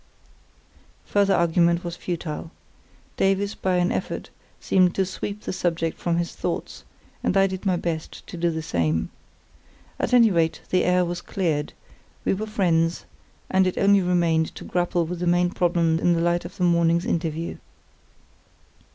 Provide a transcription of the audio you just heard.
Further argument was futile. Davies by an effort seemed to sweep the subject from his thoughts, and I did my best to do the same. At any rate the air was cleared—we were friends; and it only remained to grapple with the main problem in the light of the morning's interview.